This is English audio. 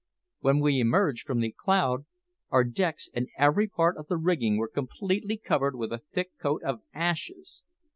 When we emerged from the cloud, our decks and every part of the rigging were completely covered with a thick coat of ashes.